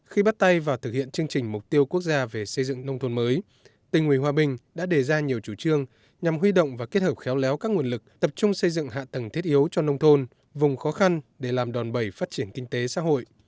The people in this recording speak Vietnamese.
khi bắt tay vào thực hiện chương trình mục tiêu quốc gia về xây dựng nông thôn mới tỉnh ủy hòa bình đã đề ra nhiều chủ trương nhằm huy động và kết hợp khéo léo các nguồn lực tập trung xây dựng hạ tầng thiết yếu cho nông thôn vùng khó khăn để làm đòn bẩy phát triển kinh tế xã hội